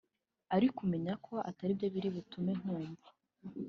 Ariko umenye ko atari byo biri butume nkumva